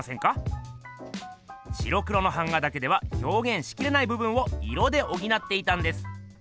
白黒の版画だけではひょうげんしきれない部分を色でおぎなっていたんです。